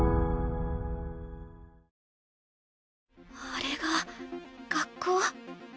あれが学校。